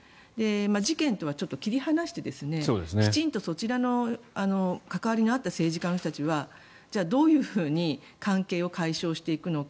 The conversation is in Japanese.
事件とはちょっと切り離してきちんとそちらの関わりのあった政治家の人たちはじゃあ、どういうふうに関係を解消していくのか